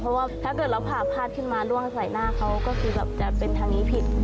เพราะว่าถ้าเกิดเราผ่าพาดขึ้นมาร่วงใส่หน้าเขาก็คือแบบจะเป็นทางนี้ผิด